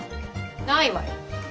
ないわよ。